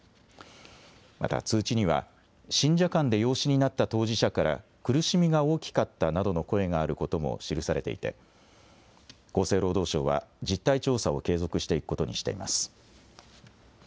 また通知には信者間で養子になった当事者から苦しみが大きかったなどの声があることも記されていて厚生労働省は実態調査を継続していくことにしています。